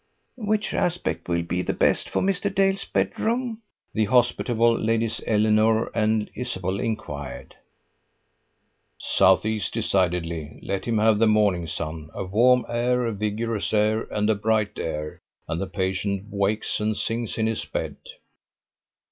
"Which aspect will be the best for Mr. Dale's bedroom?" the hospitable ladies Eleanor and Isabel inquired. "Southeast, decidedly: let him have the morning sun: a warm air, a vigorous air, and a bright air, and the patient wakes and sings in his bed."